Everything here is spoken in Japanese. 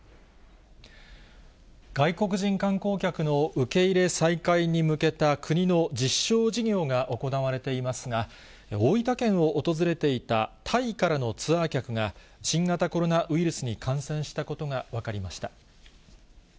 外国人観光客の受け入れ再開に向けた国の実証事業が行われていますが、大分県を訪れていたタイからのツアー客が、新型コロナウイルスに感染したことが分かりました。